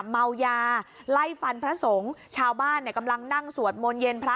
เมายาไล่ฟันพระสงฆ์ชาวบ้านเนี่ยกำลังนั่งสวดมนต์เย็นพระ